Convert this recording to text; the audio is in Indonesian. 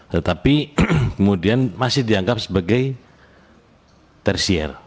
tetapi kemudian masih dianggap sebagai tersier